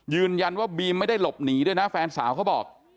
ยืนยันว่าบีมไม่ได้หลบหนีด้วยนะแฟนสาวเขาบอก